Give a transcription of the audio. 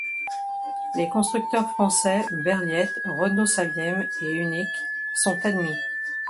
Les constructeurs français Berliet, Renault-Saviem et Unic sont admis.